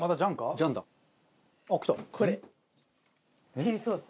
チリソース。